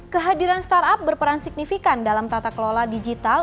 kehadiran startup berperan signifikan dalam tata kelola digital